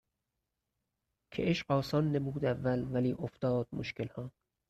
که عشق آسان نمود اول ولی افتاد مشکلها